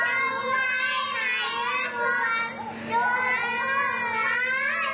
ทุกอย่างเป็นชาติ